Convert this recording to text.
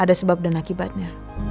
ada sebab dan akibatnya